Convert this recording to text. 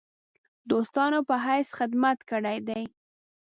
دوستانو په حیث خدمت کړی دی.